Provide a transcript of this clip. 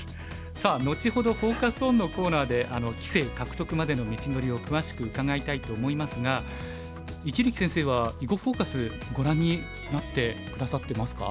さあ後ほどフォーカス・オンのコーナーで棋聖獲得までの道のりを詳しく伺いたいと思いますが一力先生は「囲碁フォーカス」ご覧になって下さってますか？